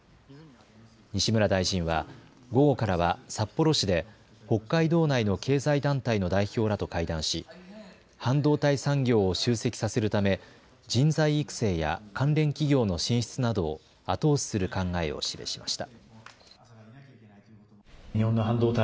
西村大臣は午後からは札幌市で北海道内の経済団体の代表らと会談し半導体産業を集積させるため人材育成や関連企業の進出などを後押しする考えを示しました。